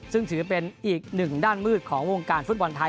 ซึ่งถือเป็นอีกหนึ่งด้านมืดของวงการฟุตบอลไทย